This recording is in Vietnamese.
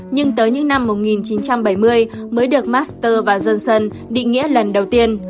nhưng tới những năm một nghìn chín trăm bảy mươi mới được master và johnson định nghĩa lần đầu tiên